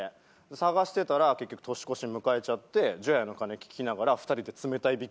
捜してたら結局年越し迎えちゃって除夜の鐘聞きながら２人で冷たいビッグマック食べたの。